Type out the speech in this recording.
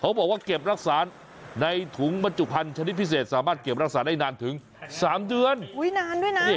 บอกว่าเก็บรักษาในถุงบรรจุภัณฑ์ชนิดพิเศษสามารถเก็บรักษาได้นานถึง๓เดือนนานด้วยนะ